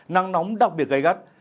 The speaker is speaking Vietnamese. nắng nóng đặc biệt gây gắt